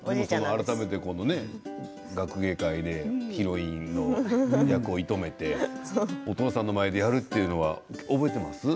改めて学芸会でヒロインの役を射止めてお父さんの前でやるというのは覚えていますか？